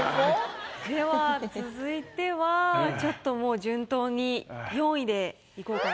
では続いてはちょっともう順当に４位でいこうかなと。